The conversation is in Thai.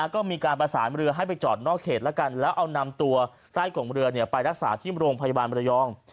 ก็มีการประสานเรือให้ไปจอดนอกเขตแล้วกันแล้วเอานำตัวใต้กงเรือไปรักษาที่โรงพยาบาลมรยอง